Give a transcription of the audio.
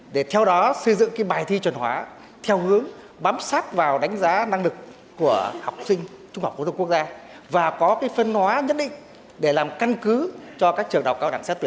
để theo đó xây dựng bài thi chuẩn hóa theo hướng bám sát vào đánh giá năng lực của học sinh trung học quốc gia và có phân hóa nhất định để làm căn cứ cho các trường đọc cao đẳng sách